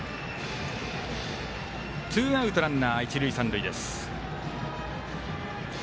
ツーアウト、ランナー、一塁三塁。